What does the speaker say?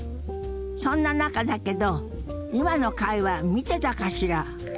そんな中だけど今の会話見てたかしら？